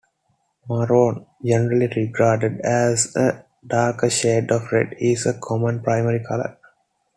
Maroon, generally regarded as a darker shade of red, is a common primary color.